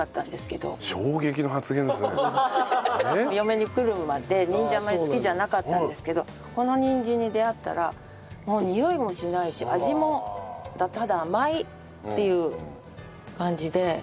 お嫁に来るまでにんじんあんまり好きじゃなかったんですけどこのにんじんに出会ったらもうにおいもしないし味もただ甘いっていう感じで。